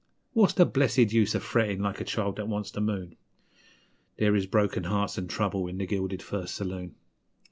What's the blessed use of frettin' like a child that wants the moon? There is broken hearts an' trouble in the gilded first saloon!